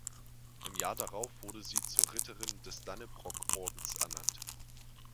Im Jahr darauf wurde sie zur Ritterin des Dannebrogordens ernannt.